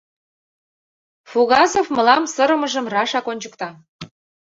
— Фугасов мылам сырымыжым рашак ончыкта.